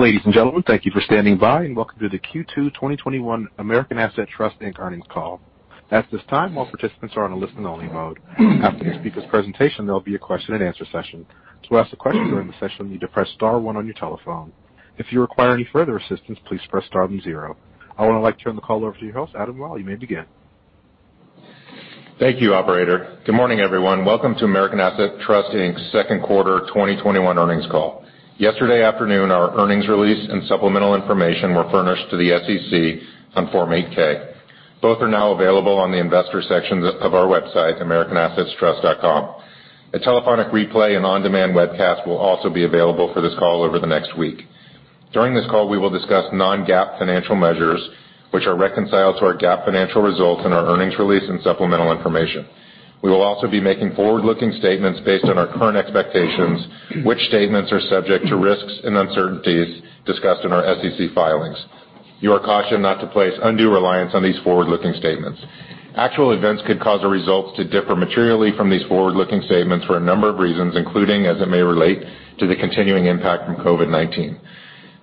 Ladies and gentlemen, thank you for standing by, and welcome to the Q2 2021 American Assets Trust, Inc. earnings call. I would like to turn the call over to your host, Adam Wyll. You may begin. Thank you, operator. Good morning, everyone. Welcome to American Assets Trust, Inc.'s second quarter 2021 earnings call. Yesterday afternoon, our earnings release and supplemental information were furnished to the SEC on Form 8-K. Both are now available on the investor section of our website, americanassetstrust.com. A telephonic replay and on-demand webcast will also be available for this call over the next week. During this call, we will discuss non-GAAP financial measures which are reconciled to our GAAP financial results in our earnings release and supplemental information. We will also be making forward-looking statements based on our current expectations, which statements are subject to risks and uncertainties discussed in our SEC filings. You are cautioned not to place undue reliance on these forward-looking statements. Actual events could cause our results to differ materially from these forward-looking statements for a number of reasons, including as it may relate to the continuing impact from COVID-19.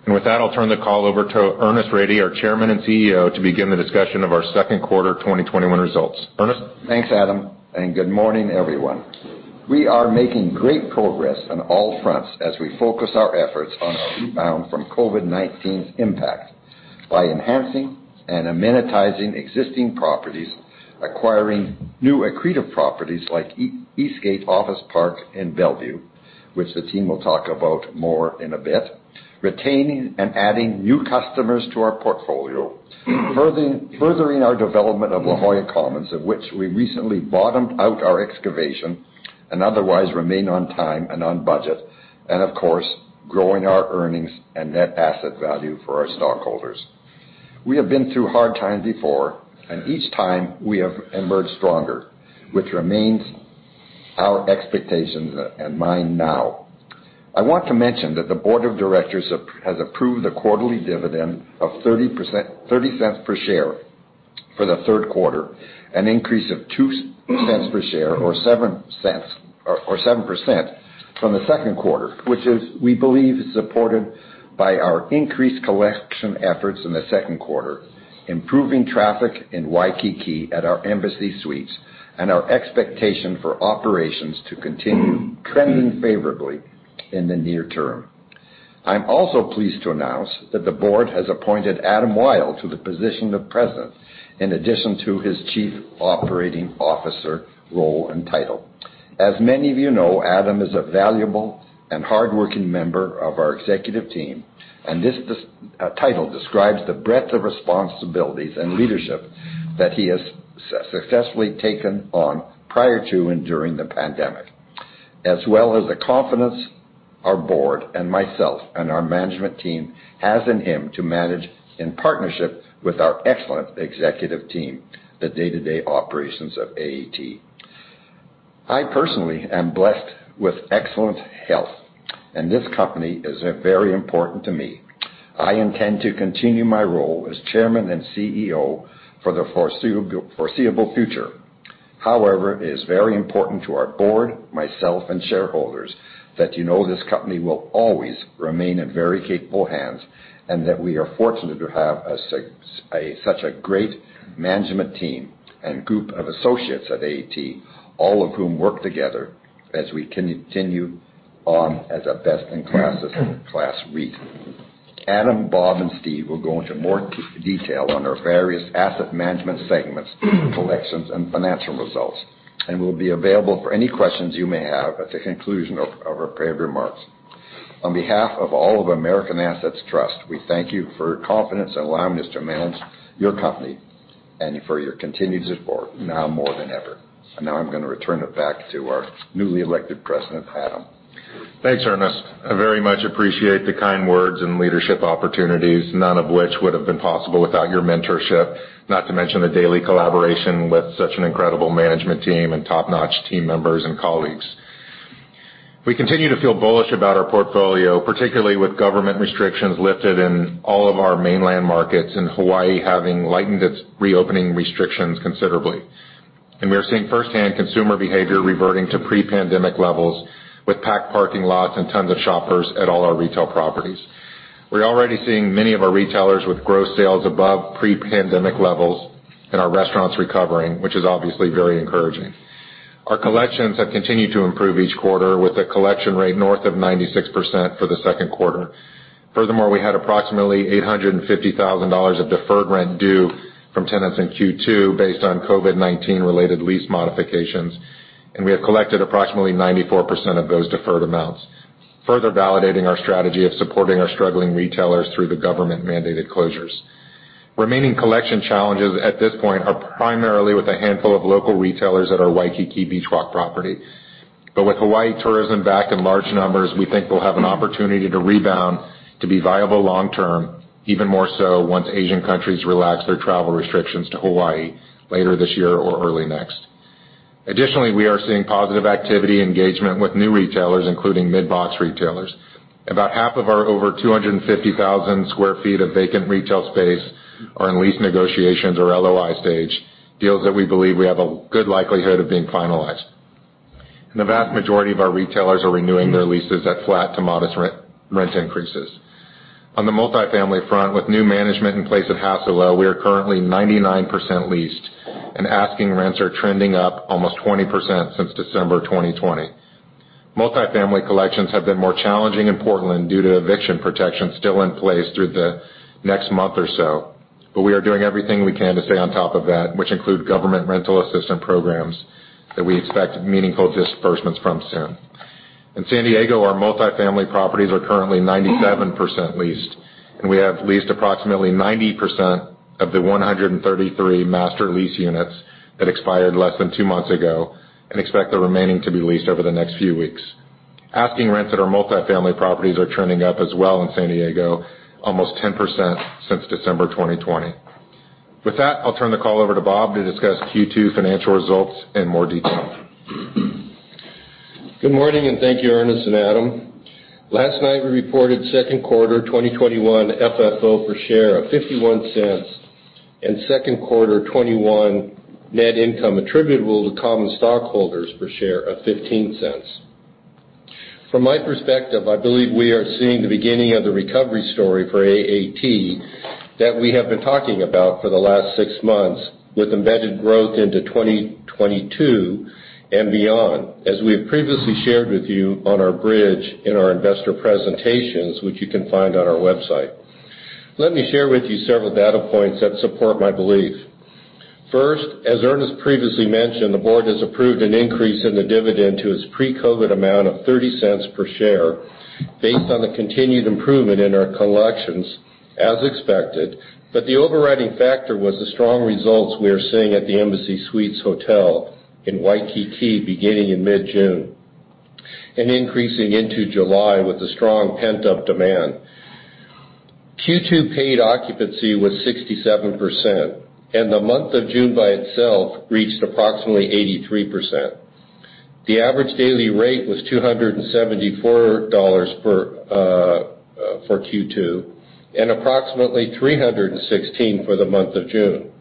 With that, I'll turn the call over to Ernest Rady, our Chairman and CEO, to begin the discussion of our second quarter 2021 results. Ernest? Thanks, Adam, and good morning, everyone. We are making great progress on all fronts as we focus our efforts on our rebound from COVID-19's impact by enhancing and amenitizing existing properties, acquiring new accretive properties like Eastgate Office Park in Bellevue, which the team will talk about more in a bit, retaining and adding new customers to our portfolio, furthering our development of La Jolla Commons, of which we recently bottomed out our excavation and otherwise remain on time and on budget, and of course, growing our earnings and net asset value for our stockholders. We have been through hard times before, and each time we have emerged stronger, which remains our expectation and mine now. I want to mention that the board of directors has approved a quarterly dividend of $0.30 per share for the third quarter, an increase of $0.02 per share or 7% from the second quarter, which is, we believe, is supported by our increased collection efforts in the second quarter, improving traffic in Waikiki at our Embassy Suites, and our expectation for operations to continue trending favorably in the near term. I am also pleased to announce that the board has appointed Adam Wyll to the position of President in addition to his Chief Operating Officer role and title. As many of you know, Adam is a valuable and hardworking member of our executive team, this title describes the breadth of responsibilities and leadership that he has successfully taken on prior to and during the pandemic, as well as the confidence our board and myself and our management team has in him to manage in partnership with our excellent executive team, the day-to-day operations of AAT. I personally am blessed with excellent health, this company is very important to me. I intend to continue my role as Chairman and CEO for the foreseeable future. However, it is very important to our board, myself, and shareholders that you know this company will always remain in very capable hands and that we are fortunate to have such a great management team and group of associates at AAT, all of whom work together as we continue on as a best-in-class REIT. Adam, Bob, and Steve will go into more detail on our various asset management segments, collections, and financial results, and will be available for any questions you may have at the conclusion of our prepared remarks. On behalf of all of American Assets Trust, we thank you for your confidence in allowing us to manage your company and for your continued support now more than ever. Now I'm going to return it back to our newly elected President, Adam. Thanks, Ernest. I very much appreciate the kind words and leadership opportunities, none of which would have been possible without your mentorship, not to mention the daily collaboration with such an incredible management team and top-notch team members and colleagues. We continue to feel bullish about our portfolio, particularly with government restrictions lifted in all of our mainland markets, and Hawaii having lightened its reopening restrictions considerably. We are seeing firsthand consumer behavior reverting to pre-pandemic levels with packed parking lots and tons of shoppers at all our retail properties. We're already seeing many of our retailers with gross sales above pre-pandemic levels and our restaurants recovering, which is obviously very encouraging. Our collections have continued to improve each quarter with a collection rate north of 96% for the second quarter. Furthermore, we had approximately $850,000 of deferred rent due from tenants in Q2 based on COVID-19 related lease modifications, and we have collected approximately 94% of those deferred amounts, further validating our strategy of supporting our struggling retailers through the government-mandated closures. Remaining collection challenges at this point are primarily with a handful of local retailers at our Waikiki Beach Walk property. With Hawaii tourism back in large numbers, we think we'll have an opportunity to rebound to be viable long-term, even more so once Asian countries relax their travel restrictions to Hawaii later this year or early next. Additionally, we are seeing positive activity engagement with new retailers, including mid-box retailers. About half of our over 250,000 sq ft of vacant retail space are in lease negotiations or LOI stage deals that we believe we have a good likelihood of being finalized. The vast majority of our retailers are renewing their leases at flat to modest rent increases. On the multifamily front, with new management in place at Hassalo, we are currently 99% leased, and asking rents are trending up almost 20% since December 2020. Multifamily collections have been more challenging in Portland due to eviction protection still in place through the next month or so. We are doing everything we can to stay on top of that, which include government rental assistance programs that we expect meaningful disbursements from soon. In San Diego, our multifamily properties are currently 97% leased, and we have leased approximately 90% of the 133 master lease units that expired less than two months ago and expect the remaining to be leased over the next few weeks. Asking rents at our multifamily properties are trending up as well in San Diego, almost 10% since December 2020. With that, I'll turn the call over to Bob to discuss Q2 financial results in more detail. Good morning, thank you, Ernest and Adam. Last night, we reported second quarter 2021 FFO per share of $0.51 and second quarter 2021 net income attributable to common stockholders per share of $0.15. From my perspective, I believe we are seeing the beginning of the recovery story for AAT that we have been talking about for the last six months, with embedded growth into 2022 and beyond, as we have previously shared with you on our bridge in our investor presentations, which you can find on our website. Let me share with you several data points that support my belief. First, as Ernest previously mentioned, the board has approved an increase in the dividend to its pre-COVID-19 amount of $0.30 per share based on the continued improvement in our collections, as expected. The overriding factor was the strong results we are seeing at the Embassy Suites Hotel in Waikiki beginning in mid-June and increasing into July with the strong pent-up demand. Q2 paid occupancy was 67%, and the month of June by itself reached approximately 83%. The average daily rate was $274 for Q2 and approximately $316 for the month of June.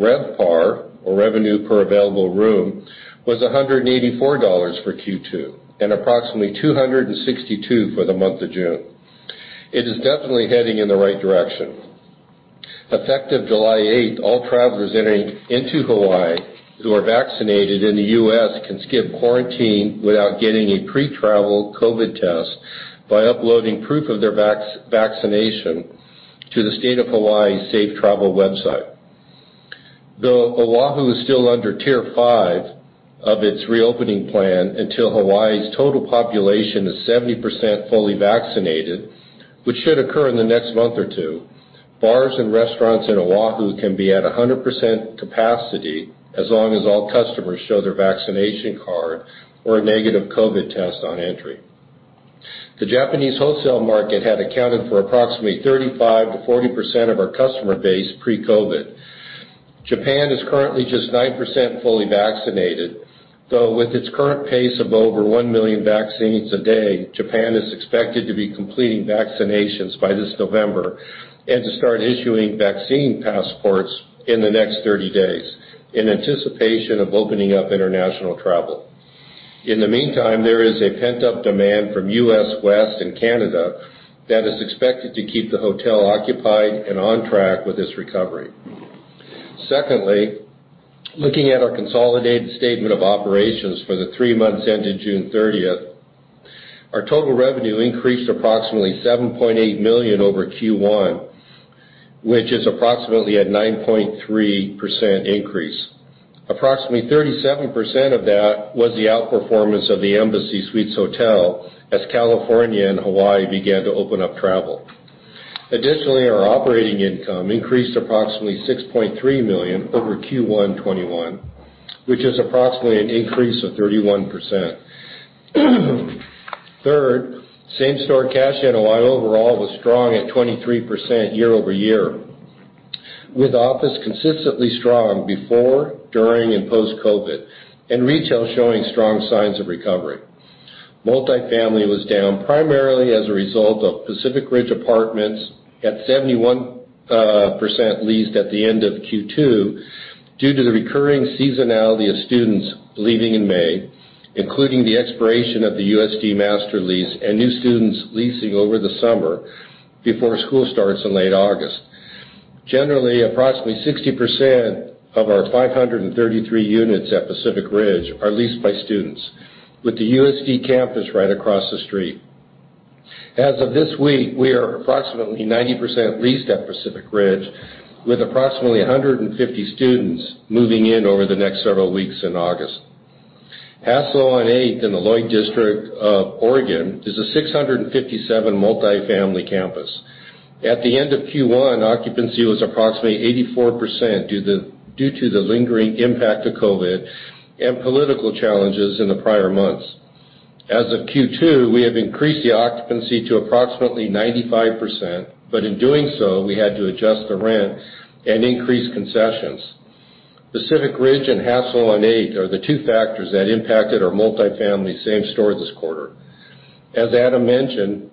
RevPAR, or revenue per available room, was $184 for Q2 and approximately $262 for the month of June. It is definitely heading in the right direction. Effective July 8th, all travelers entering into Hawaii who are vaccinated in the U.S. can skip quarantine without getting a pre-travel COVID-19 test by uploading proof of their vaccination to the State of Hawaii Safe Travels website. Though Oahu is still under Tier 5 of its reopening plan until Hawaii's total population is 70% fully vaccinated, which should occur in the next month or two, bars and restaurants in Oahu can be at 100% capacity as long as all customers show their vaccination card or a negative COVID test on entry. The Japanese wholesale market had accounted for approximately 35%-40% of our customer base pre-COVID. Japan is currently just 9% fully vaccinated, though with its current pace of over 1 million vaccines a day, Japan is expected to be completing vaccinations by this November and to start issuing vaccine passports in the next 30 days in anticipation of opening up international travel. In the meantime, there is a pent-up demand from U.S. West and Canada that is expected to keep the hotel occupied and on track with this recovery. Secondly, looking at our consolidated statement of operations for the three months ended June 30th, our total revenue increased approximately $7.8 million over Q1, which is approximately a 9.3% increase. Approximately 37% of that was the outperformance of the Embassy Suites Hotel as California and Hawaii began to open up travel. Additionally, our operating income increased approximately $6.3 million over Q1 2021, which is approximately an increase of 31%. Third, same-store cash NOI overall was strong at 23% year-over-year, with office consistently strong before, during, and post-COVID-19, and retail showing strong signs of recovery. Multifamily was down primarily as a result of Pacific Ridge Apartments at 71% leased at the end of Q2 due to the recurring seasonality of students leaving in May, including the expiration of the USD master lease and new students leasing over the summer before school starts in late August. Generally, approximately 60% of our 533 units at Pacific Ridge are leased by students, with the USD campus right across the street. As of this week, we are approximately 90% leased at Pacific Ridge, with approximately 150 students moving in over the next several weeks in August. Hassalo on Eighth in the Lloyd District of Oregon is a 657 multifamily campus. At the end of Q1, occupancy was approximately 84% due to the lingering impact of COVID and political challenges in the prior months. As of Q2, we have increased the occupancy to approximately 95%. In doing so, we had to adjust the rent and increase concessions. Pacific Ridge and Hassalo on Eighth are the two factors that impacted our multifamily same store this quarter. As Adam mentioned,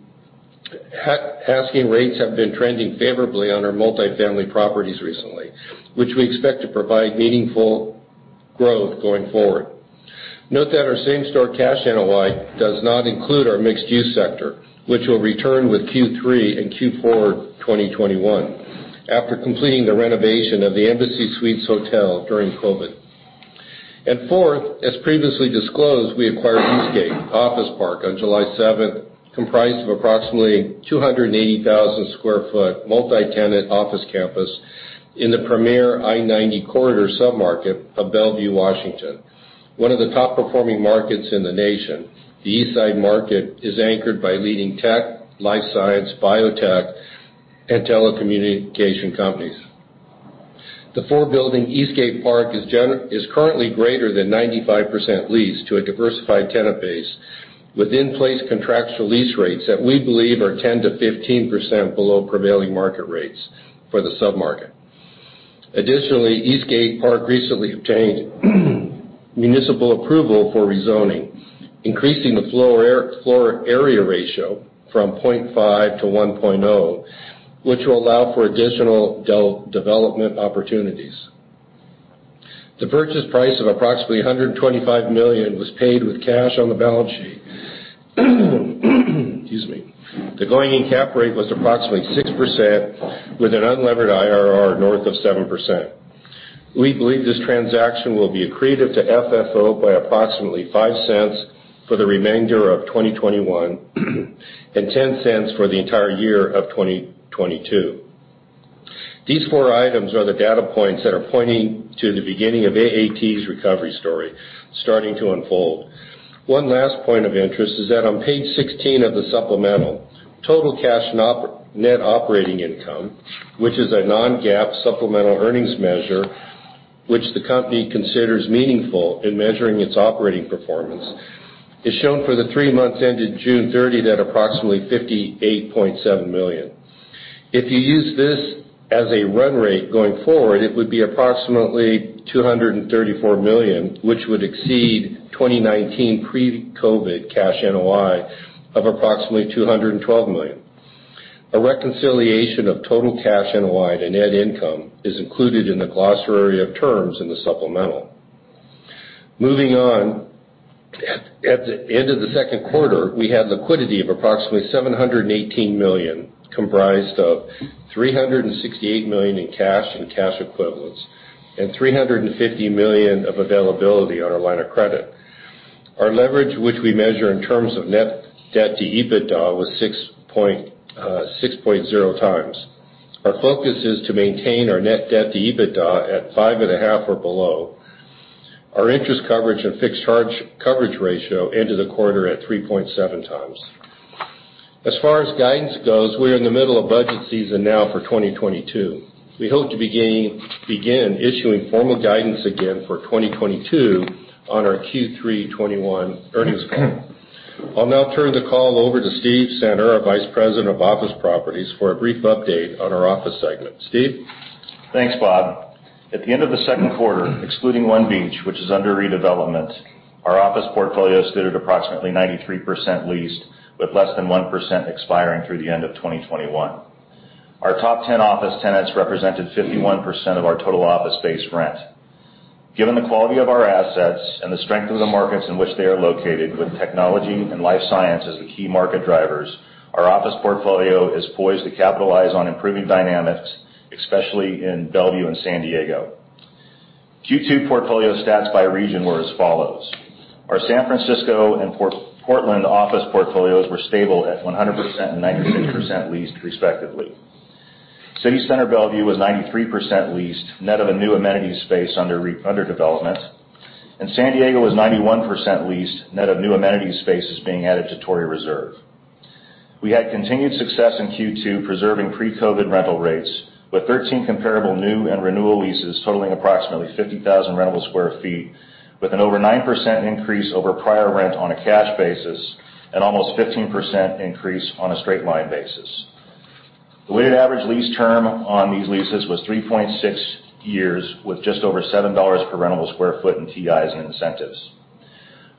asking rates have been trending favorably on our multifamily properties recently, which we expect to provide meaningful growth going forward. Note that our same-store cash NOI does not include our mixed-use sector, which will return with Q3 and Q4 2021 after completing the renovation of the Embassy Suites Hotel during COVID-19. Fourth, as previously disclosed, we acquired Eastgate Office Park on July 7th, comprised of approximately 280,000 sq ft multi-tenant office campus in the premier I-90 corridor sub-market of Bellevue, Washington. One of the top-performing markets in the nation, the Eastside market, is anchored by leading tech, life science, biotech, and telecommunication companies. The four building Eastgate Park is currently greater than 95% leased to a diversified tenant base with in-place contractual lease rates that we believe are 10%-15% below prevailing market rates for the sub-market. Additionally, Eastgate Park recently obtained municipal approval for rezoning, increasing the floor area ratio from 0.5- 1.0, which will allow for additional development opportunities. The purchase price of approximately $125 million was paid with cash on the balance sheet. Excuse me. The going-in cap rate was approximately 6% with an unlevered IRR north of 7%. We believe this transaction will be accretive to FFO by approximately $0.05 for the remainder of 2021 and $0.10 for the entire year of 2022. These four items are the data points that are pointing to the beginning of AAT's recovery story starting to unfold. One last point of interest is that on page 16 of the supplemental, total cash Net Operating Income, which is a non-GAAP supplemental earnings measure, which the company considers meaningful in measuring its operating performance, is shown for the three months ended June 30th at approximately $58.7 million. If you use this as a run rate going forward, it would be approximately $234 million, which would exceed 2019 pre-COVID-19 cash NOI of approximately $212 million. A reconciliation of total cash NOI to net income is included in the glossary of terms in the supplemental. At the end of the second quarter, we had liquidity of approximately $718 million, comprised of $368 million in cash and cash equivalents and $350 million of availability on our line of credit. Our leverage, which we measure in terms of net debt to EBITDA, was 6.0x. Our focus is to maintain our net debt to EBITDA at 5.5 or below. Our interest coverage and fixed charge coverage ratio ended the quarter at 3.7x. As far as guidance goes, we are in the middle of budget season now for 2022. We hope to begin issuing formal guidance again for 2022 on our Q3 2021 earnings call. I'll now turn the call over to Steve Center, our Vice President of Office Properties, for a brief update on our office segment. Steve? Thanks, Bob. At the end of the second quarter, excluding One Beach, which is under redevelopment, our office portfolio stood at approximately 93% leased, with less than 1% expiring through the end of 2021. Our top 10 office tenants represented 51% of our total office space rent. Given the quality of our assets and the strength of the markets in which they are located, with technology and life science as the key market drivers, our office portfolio is poised to capitalize on improving dynamics, especially in Bellevue and San Diego. Q2 portfolio stats by region were as follows. Our San Francisco and Portland office portfolios were stable at 100% and 96% leased, respectively. City Center Bellevue was 93% leased, net of a new amenities space under development. San Diego was 91% leased, net of new amenities spaces being added to Torrey Reserve. We had continued success in Q2 preserving pre-COVID rental rates, with 13 comparable new and renewal leases totaling approximately 50,000 rentable square ft with an over 9% increase over prior rent on a cash basis and almost 15% increase on a straight-line basis. The weighted average lease term on these leases was 3.6 years, with just over $7 per rentable square foot in TIs and incentives.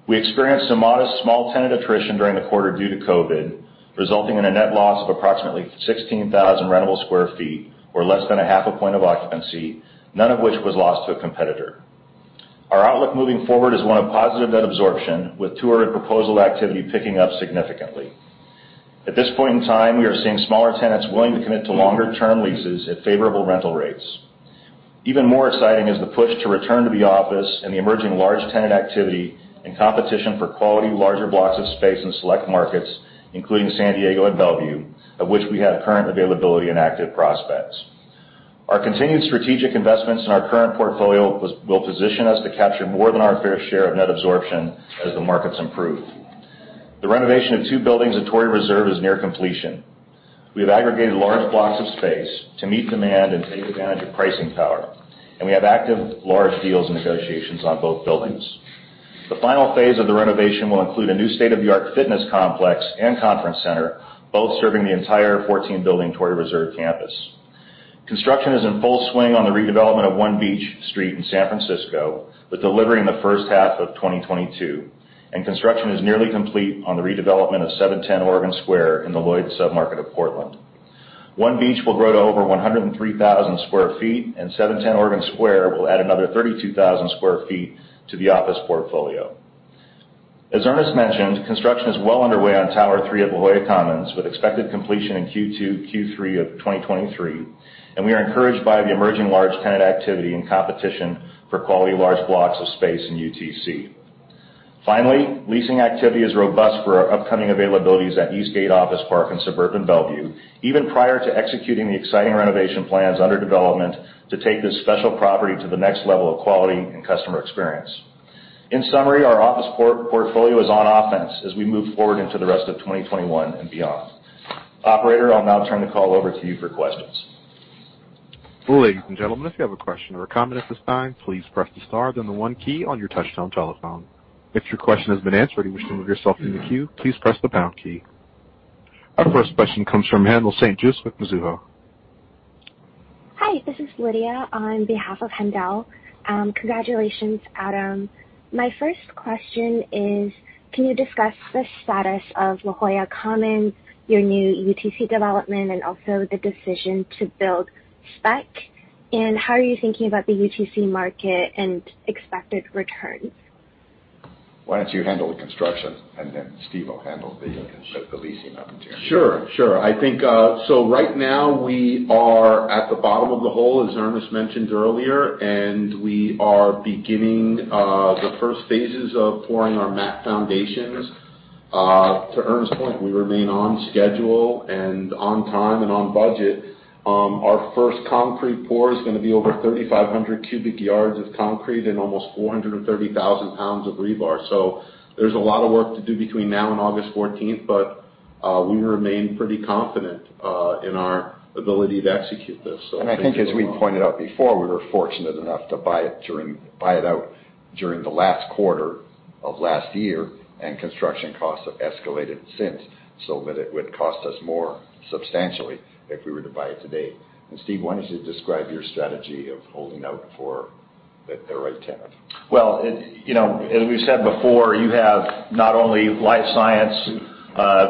We experienced a modest small tenant attrition during the quarter due to COVID, resulting in a net loss of approximately 16,000 rentable square ft, or less than a half a point of occupancy, none of which was lost to a competitor. Our outlook moving forward is one of positive net absorption, with tour and proposal activity picking up significantly. At this point in time, we are seeing smaller tenants willing to commit to longer-term leases at favorable rental rates. Even more exciting is the push to return to the office and the emerging large tenant activity and competition for quality larger blocks of space in select markets, including San Diego and Bellevue, of which we have current availability and active prospects. Our continued strategic investments in our current portfolio will position us to capture more than our fair share of net absorption as the markets improve. The renovation of two buildings at Torrey Reserve is near completion. We have aggregated large blocks of space to meet demand and take advantage of pricing power, and we have active large deals and negotiations on both buildings. The final phase of the renovation will include a new state-of-the-art fitness complex and conference center, both serving the entire 14-building Torrey Reserve campus. Construction is in full swing on the redevelopment of One Beach Street in San Francisco, with delivery in the first half of 2022, and construction is nearly complete on the redevelopment of 710 Oregon Square in the Lloyd submarket of Portland. One Beach will grow to over 103,000 sq ft, and 710 Oregon Square will add another 32,000 sq ft to the office portfolio. As Ernest mentioned, construction is well underway on Tower 3 at La Jolla Commons, with expected completion in Q2, Q3 of 2023, and we are encouraged by the emerging large tenant activity and competition for quality large blocks of space in UTC. Leasing activity is robust for our upcoming availabilities at Eastgate Office Park in suburban Bellevue, even prior to executing the exciting renovation plans under development to take this special property to the next level of quality and customer experience. In summary, our office portfolio is on offense as we move forward into the rest of 2021 and beyond. Operator, I'll now turn the call over to you for questions. Our first question comes from Haendel St. Juste with Mizuho. Hi. This is Lydia on behalf of Haendel. Congratulations, Adam. My first question is, can you discuss the status of La Jolla Commons, your new UTC development, and also the decision to build spec? How are you thinking about the UTC market and expected returns? Why don't you handle the construction and then Steve Center will handle the leasing opportunity? Sure. Right now, we are at the bottom of the hole, as Ernest Rady mentioned earlier, and we are beginning the first phases of pouring our mat foundations. To Ernest Rady's point, we remain on schedule and on time, and on budget. Our first concrete pour is going to be over 3,500 cubic yards of concrete and almost 430,000 pounds of rebar. There's a lot of work to do between now and August 14th, but we remain pretty confident in our ability to execute this, so thank you very much. I think as we pointed out before, we were fortunate enough to buy it out during the last quarter of last year, and construction costs have escalated since. That it would cost us more, substantially, if we were to buy it today. Steve, why don't you describe your strategy of holding out for the right tenant? Well, as we've said before, you have not only life science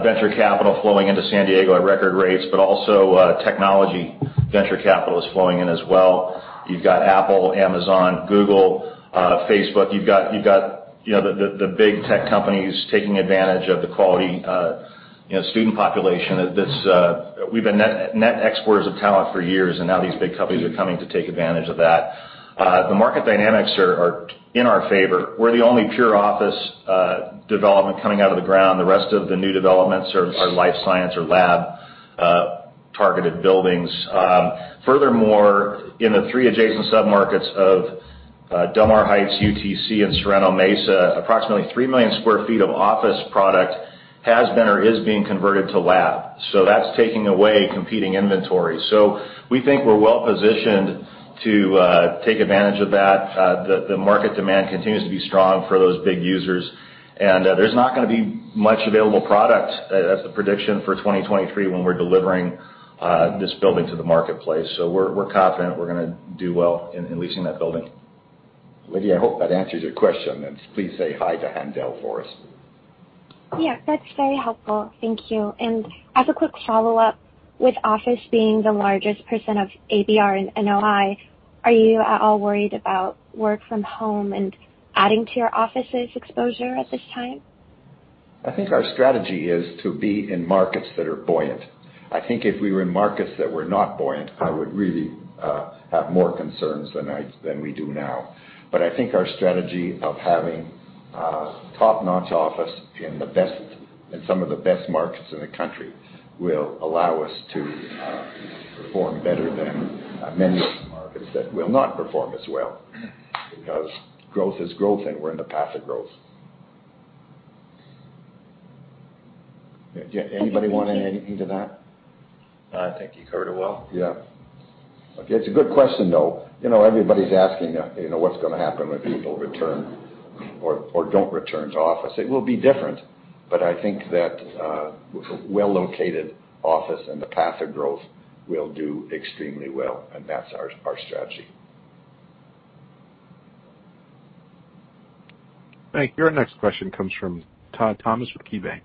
venture capital flowing into San Diego at record rates, but also technology venture capital is flowing in as well. You've got Apple, Amazon, Google, Facebook. You've got the big tech companies taking advantage of the quality student population. We've been net exporters of talent for years, and now these big companies are coming to take advantage of that. The market dynamics are in our favor. We're the only pure office development coming out of the ground. The rest of the new developments are life science or lab-targeted buildings. Furthermore, in the three adjacent submarkets of Del Mar Heights, UTC, and Sorrento Mesa, approximately 3 million sq ft of office product has been or is being converted to lab. That's taking away competing inventory. We think we're well positioned to take advantage of that. The market demand continues to be strong for those big users, and there's not going to be much available product. That's the prediction for 2023, when we're delivering this building to the marketplace. We're confident we're going to do well in leasing that building. Lydia, I hope that answers your question, and please say hi to Haendel St. Juste for us. Yeah. That's very helpful. Thank you. As a quick follow-up, with office being the largest percentage of ABR and NOI, are you at all worried about work from home and adding to your office's exposure at this time? I think our strategy is to be in markets that are buoyant. I think if we were in markets that were not buoyant, I would really have more concerns than we do now. I think our strategy of having a top-notch office in some of the best markets in the country will allow us to perform better than many of the markets that will not perform as well. Because growth is growth, and we're in the path of growth. Anybody want to add anything to that? I think you covered it well. Yeah. Okay. It's a good question, though. Everybody's asking what's going to happen when people return or don't return to office. It will be different, but I think that a well-located office in the path of growth will do extremely well, and that's our strategy. Thank you. Our next question comes from Todd Thomas with KeyBank.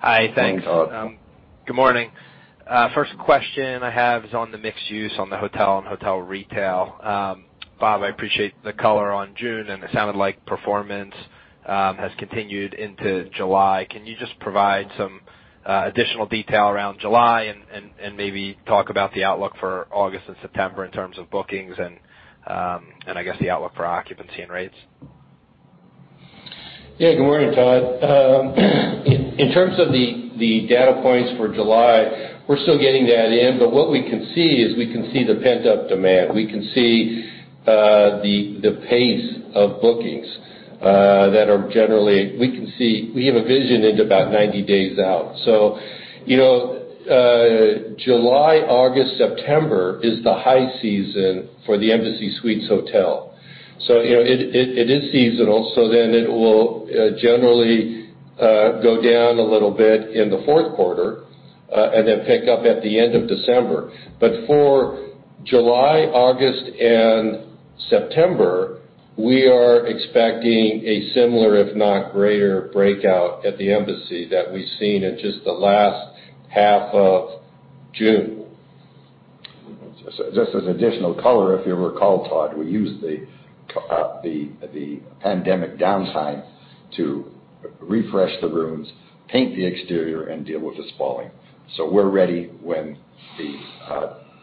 Hi. Thanks. Hey, Todd. Good morning. First question I have is on the mixed use on the hotel and hotel retail. Bob, I appreciate the color on June. It sounded like performance has continued into July. Can you just provide some additional detail around July and maybe talk about the outlook for August and September in terms of bookings and I guess the outlook for occupancy and rates? Yeah. Good morning, Todd. In terms of the data points for July, we're still getting that in. What we can see is we can see the pent-up demand. We can see the pace of bookings. We have a vision into about 90 days out. July, August, September is the high season for the Embassy Suites Hotel. It is seasonal, so then it will generally go down a little bit in the fourth quarter, and then pick up at the end of December. For July, August, and September, we are expecting a similar, if not greater, breakout at the Embassy that we've seen in just the last half of June. Just as additional color, if you recall, Todd, we used the pandemic downtime to refresh the rooms, paint the exterior, and deal with the spalling. We're ready when the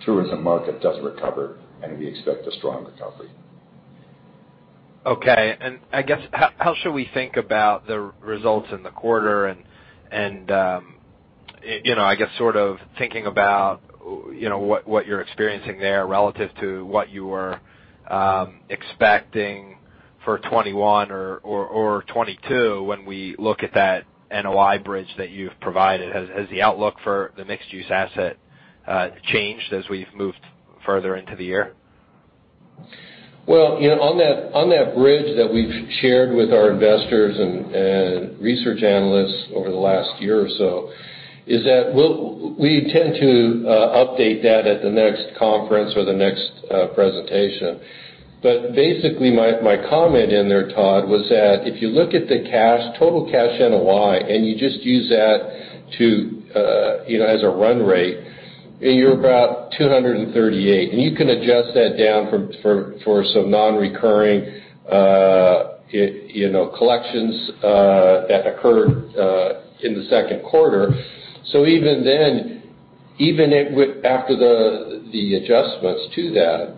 tourism market does recover, and we expect a strong recovery. Okay. I guess, how should we think about the results in the quarter and, I guess, sort of thinking about what you're experiencing there relative to what you were expecting for 2021 or 2022 when we look at that NOI bridge that you've provided. Has the outlook for the mixed-use asset changed as we've moved further into the year? Well, on that bridge that we've shared with our investors and research analysts over the last year or so, is that we'll tend to update that at the next conference or the next presentation. Basically, my comment in there, Todd, was that if you look at the total cash NOI, and you just use that as a run rate, you're about $238. You can adjust that down for some non-recurring collections that occurred in the second quarter. Even then, even after the adjustments to that,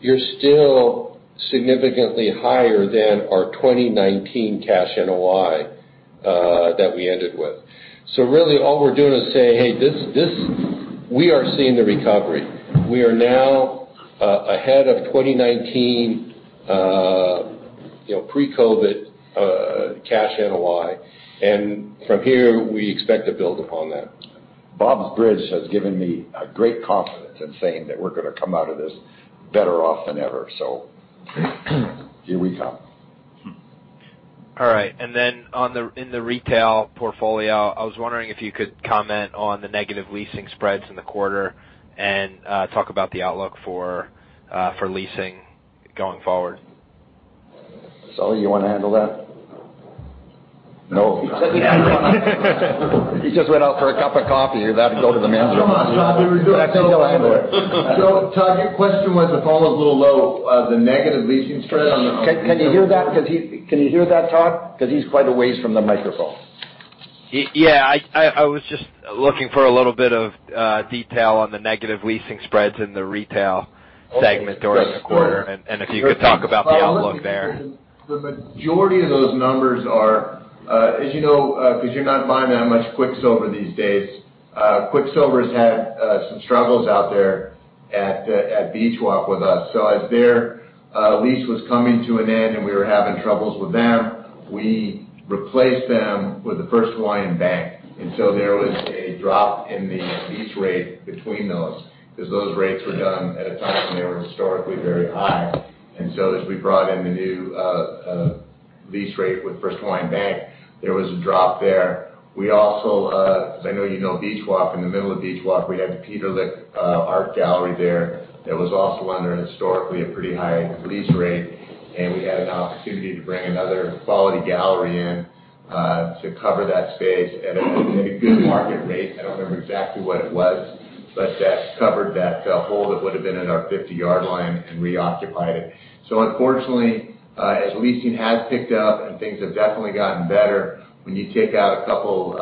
you're still significantly higher than our 2019 cash NOI that we ended with. Really, all we're doing is saying, "Hey, we are seeing the recovery." We are now ahead of 2019 pre-COVID cash NOI. From here, we expect to build upon that. Bob's bridge has given me a great confidence in saying that we're going to come out of this better off than ever. Here we come. All right. Then in the retail portfolio, I was wondering if you could comment on the negative leasing spreads in the quarter and talk about the outlook for leasing going forward. Sully, you want to handle that? No. He just went out for a cup of coffee. He'll have to go to the men's room. Come on, Todd. We were doing so well. I can't handle it. Todd, your question was, the phone was a little low, the negative leasing spread on. Can you hear that, Todd? Because he's quite a ways from the microphone. Yeah, I was just looking for a little bit of detail on the negative leasing spreads in the retail segment during the quarter. If you could talk about the outlook there. The majority of those numbers are, as you know, because you're not buying that much Quiksilver these days. Quiksilver's had some struggles out there at Beach Walk with us. As their lease was coming to an end, and we were having troubles with them, we replaced them with the First Hawaiian Bank, and so there was a drop in the lease rate between those, because those rates were done at a time when they were historically very high. As we brought in the new lease rate with First Hawaiian Bank, there was a drop there. We also, because I know you know Beach Walk, in the middle of Beach Walk, we had the Peter Lik art gallery there that was also under, historically, a pretty high lease rate, and we had an opportunity to bring another quality gallery in to cover that space at a good market rate. I don't remember exactly what it was, but that covered that hole that would've been in our 50-yard line and reoccupied it. Unfortunately, as leasing has picked up and things have definitely gotten better, when you take out a couple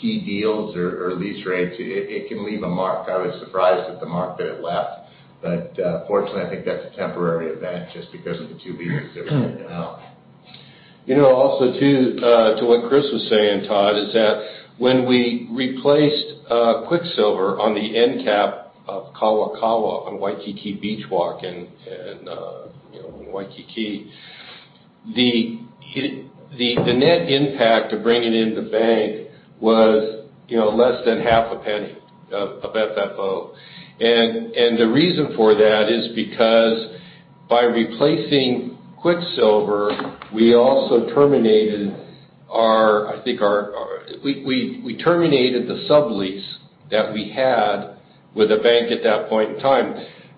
key deals or lease rates, it can leave a mark. I was surprised at the mark that it left. Fortunately, I think that's a temporary event just because of the two leases that we had to out. Also, too, to what Chris was saying, Todd, is that when we replaced Quiksilver on the end cap of Kalakaua on Waikiki Beach Walk in Waikiki, the net impact of bringing in the bank was less than half a penny of FFO. The reason for that is because by replacing Quiksilver, we also terminated the sublease that we had with a bank at that point in time.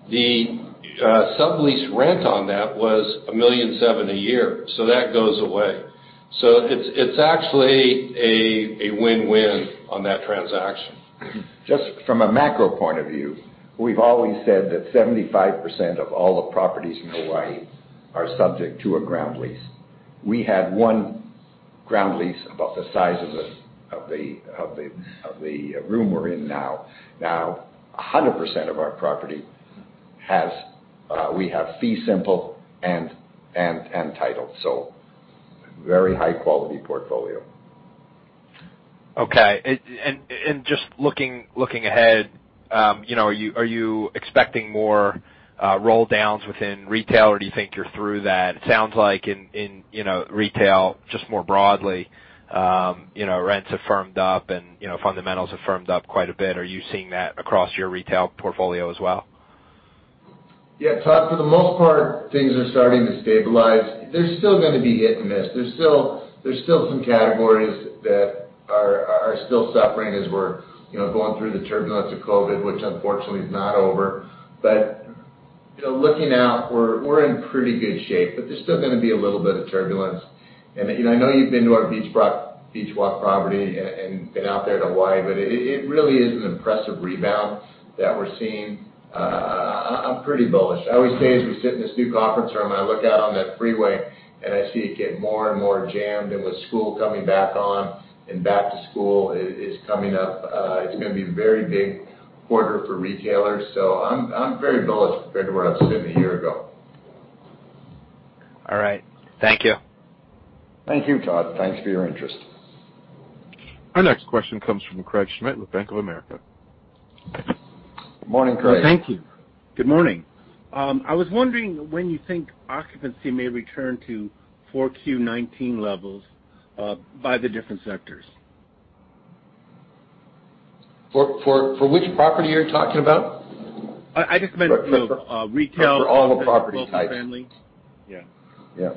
The sublease rent on that was $1.7 million a year. That goes away. It's actually a win-win on that transaction. From a macro point of view, we've always said that 75% of all the properties in Hawaii are subject to a ground lease. We had one ground lease about the size of the room we're in now. 100% of our property we have fee simple and title, so very high-quality portfolio. Okay. Just looking ahead, are you expecting more roll-downs within retail, or do you think you're through that? It sounds like in retail, just more broadly, rents have firmed up, and fundamentals have firmed up quite a bit. Are you seeing that across your retail portfolio as well? Yeah, Todd, for the most part, things are starting to stabilize. There's still going to be hit and miss. There's still some categories that are still suffering as we're going through the turbulence of COVID-19, which unfortunately is not over. Looking out, we're in pretty good shape, but there's still going to be a little bit of turbulence. I know you've been to our Beach Walk property and been out there to Hawaii, but it really is an impressive rebound that we're seeing. I'm pretty bullish. I always say, as we sit in this new conference room, and I look out on that freeway, and I see it get more and more jammed, and with school coming back on and back to school is coming up, it's going to be a very big quarter for retailers. I'm very bullish compared to where I was sitting a year ago. All right. Thank you. Thank you, Todd. Thanks for your interest. Our next question comes from Craig Schmidt with Bank of America. Good morning, Craig. Thank you. Good morning. I was wondering when you think occupancy may return to Q4 2019 levels by the different sectors? For which property are you talking about? I just meant- For- retail- For all the property types. Multifamily. Yeah. Yeah.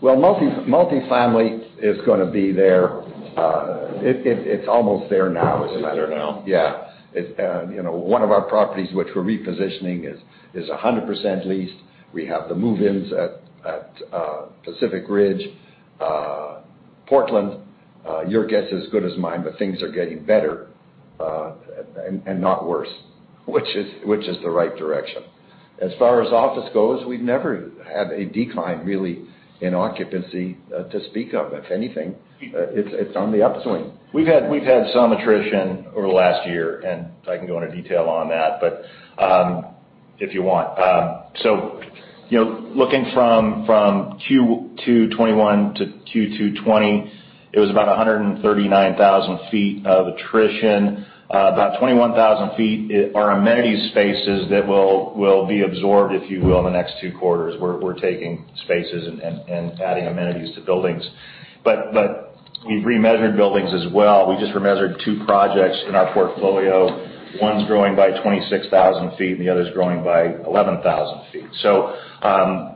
Well, multifamily is going to be there. It's almost there now. It's almost there now. One of our properties, which we're repositioning, is 100% leased. We have the move-ins at Pacific Ridge. Portland, your guess is as good as mine, but things are getting better and not worse, which is the right direction. As far as office goes, we've never had a decline, really, in occupancy to speak of. If anything, it's on the upswing. We've had some attrition over the last year, and I can go into detail on that, but if you want. Looking from Q2 2021 to Q2 2020, it was about 139,000 ft of attrition. About 21,000 ft are amenity spaces that will be absorbed, if you will, in the next two quarters. We're taking spaces and adding amenities to buildings. We've remeasured buildings as well. We just remeasured two projects in our portfolio. One's growing by 26,000 ft and the other's growing by 11,000 ft.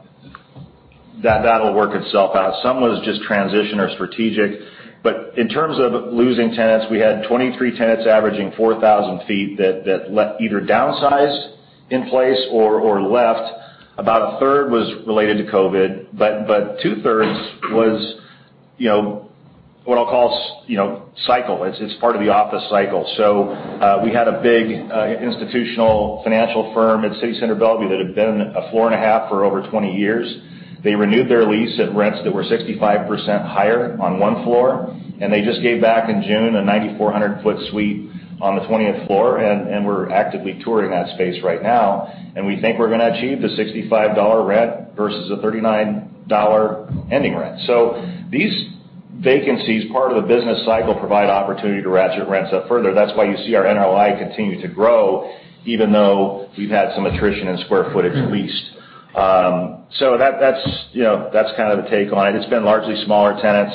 That'll work itself out. Some of it is just transition or strategic, but in terms of losing tenants, we had 23 tenants averaging 4,000 ft that either downsized in place or left. About a third was related to COVID-19, but two-thirds was what I'll call cycle. It's part of the office cycle. We had a big institutional financial firm at City Center Bellevue that had been a floor and a half for over 20 years. They renewed their lease at rents that were 65% higher on one floor, and they just gave back in June a 9,400-foot suite on the 20th floor, and we're actively touring that space right now. We think we're going to achieve the $65 rent versus a $39 ending rent. These vacancies, part of the business cycle, provide opportunity to ratchet rents up further. That's why you see our NOI continue to grow even though we've had some attrition in square footage leased. That's kind of the take on it. It's been largely smaller tenants.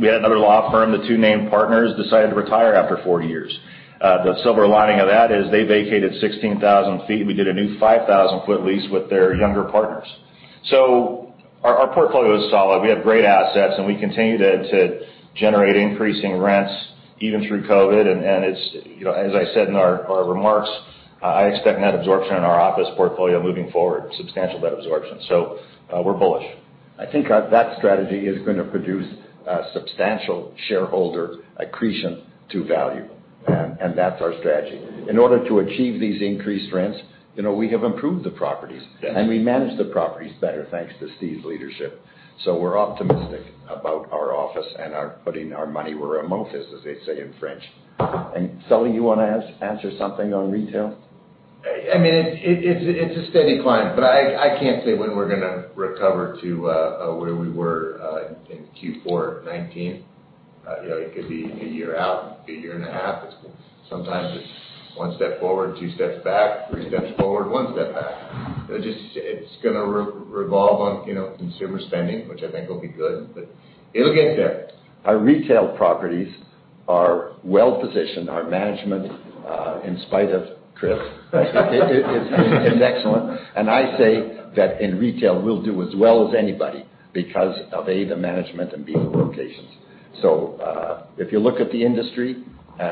We had another law firm, the two named partners decided to retire after 40 years. The silver lining of that is they vacated 16,000 ft. We did a new 5,000-foot lease with their younger partners. Our portfolio is solid. We have great assets, and we continue to generate increasing rents even through COVID-19. As I said in our remarks, I expect net absorption in our office portfolio moving forward, substantial net absorption. We're bullish. I think that strategy is going to produce substantial shareholder accretion to value, and that's our strategy. In order to achieve these increased rents, we have improved the properties. Yes. We manage the properties better, thanks to Steve's leadership. We're optimistic about our office and are putting our money where our mouth is, as they say in French. Sully, you want to answer something on retail? It's a steady climb, but I can't say when we're going to recover to where we were in Q4 2019. It could be a year out, a year and a half. Sometimes it's one step forward, two steps back, three steps forward, one step back. It's going to revolve on consumer spending, which I think will be good, but it'll get there. Our retail properties are well-positioned. Our management, in spite of Chris is excellent. I say that in retail, we'll do as well as anybody because of, A, the management, and B, the locations. If you look at the industry,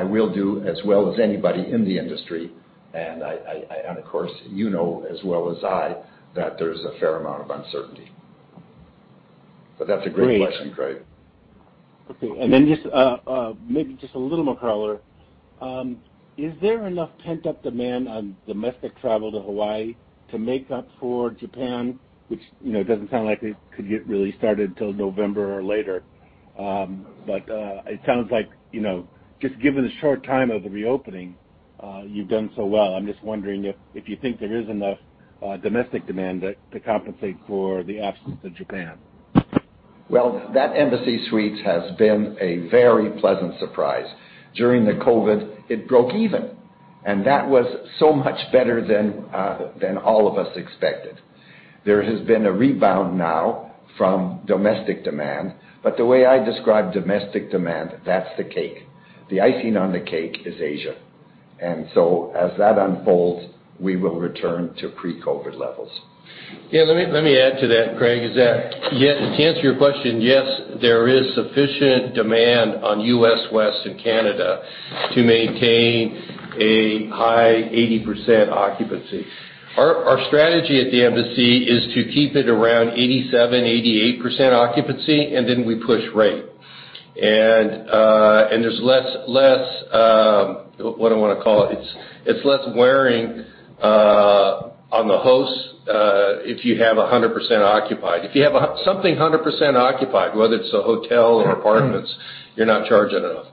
we'll do as well as anybody in the industry, and of course, you know as well as I that there's a fair amount of uncertainty. That's a great question, Craig. Okay. Just maybe just a little more color. Is there enough pent-up demand on domestic travel to Hawaii to make up for Japan, which doesn't sound like it could get really started till November or later. It sounds like just given the short time of the reopening, you've done so well. I'm just wondering if you think there is enough domestic demand to compensate for the absence of Japan. Well, that Embassy Suites has been a very pleasant surprise. During the COVID, it broke even, and that was so much better than all of us expected. There has been a rebound now from domestic demand. The way I describe domestic demand, that's the cake. The icing on the cake is Asia. As that unfolds, we will return to pre-COVID levels. Yeah, let me add to that, Craig. To answer your question, yes, there is sufficient demand on U.S. West and Canada to maintain a high 80% occupancy. Our strategy at the Embassy is to keep it around 87%, 88% occupancy, then we push rate. There's less, what do I want to call it? It's less wearing on the host, if you have 100% occupied. If you have something 100% occupied, whether it's a hotel or apartments, you're not charging enough.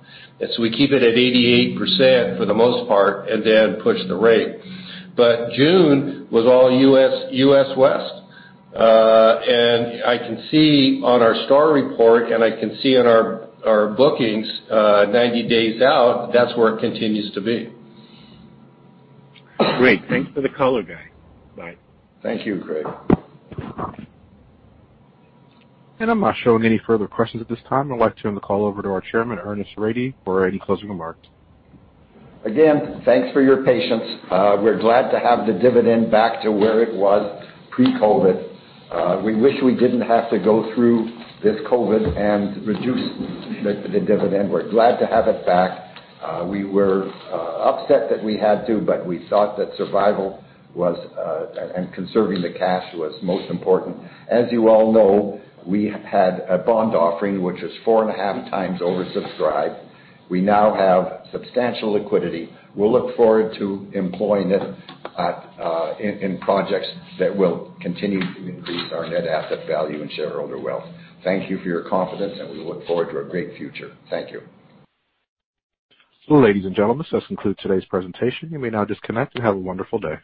We keep it at 88% for the most part, then push the rate. June was all U.S. West. I can see on our STR report, I can see in our bookings, 90 days out, that's where it continues to be. Great. Thanks for the color, guys. Bye. Thank you, Craig. I'm not showing any further questions at this time. I'd like to turn the call over to our Chairman, Ernest Rady, for any closing remarks. Again, thanks for your patience. We're glad to have the dividend back to where it was pre-COVID-19. We wish we didn't have to go through this COVID-19 and reduce the dividend. We're glad to have it back. We were upset that we had to, but we thought that survival and conserving the cash was most important. As you all know, we had a bond offering, which was 4.5x oversubscribed. We now have substantial liquidity. We'll look forward to employing it in projects that will continue to increase our net asset value and shareholder wealth. Thank you for your confidence, and we look forward to a great future. Thank you. Ladies and gentlemen, this concludes today's presentation. You may now disconnect, and have a wonderful day.